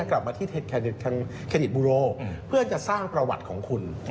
กลับมาที่ทางเครดิตบูโรเพื่อจะสร้างประวัติของคุณ